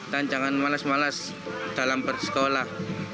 dan jangan malas malas dalam bersekolah